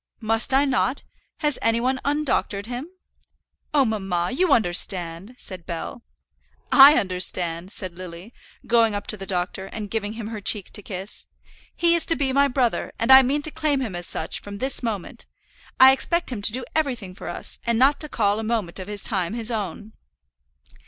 "Must I not? Has any one undoctored him?" "Oh, mamma, you understand," said Bell. "I understand," said Lily, going up to the doctor, and giving him her cheek to kiss, "he is to be my brother, and I mean to claim him as such from this moment. I expect him to do everything for us, and not to call a moment of his time his own."